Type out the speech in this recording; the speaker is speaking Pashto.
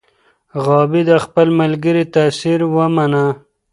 غابي د خپل ملګري تاثیر ومنه.